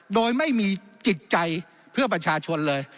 โดยไม่มีจิตใจเพื่อประชาชนเลย